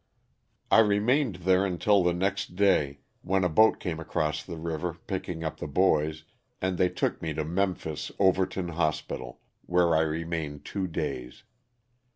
I remained there until the next day, when a boat came across the river picking up the boys and they took me to Memphis, Overton Hospital, where I remained two days.